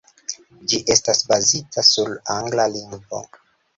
Ĝi estas bazita sur angla lingvo.